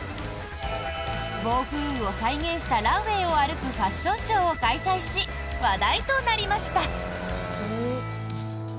暴風雨を再現したランウェーを歩くファッションショーを開催し話題となりました。